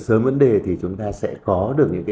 sớm vấn đề thì chúng ta sẽ có được